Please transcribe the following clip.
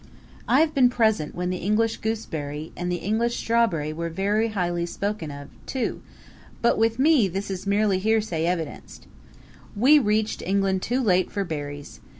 I have been present when the English gooseberry and the English strawberry were very highly spoken of, too, but with me this is merely hearsay evidence; we reached England too late for berries.